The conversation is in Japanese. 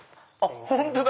本当だ！